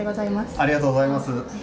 ありがとうございます。